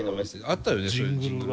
あったよね。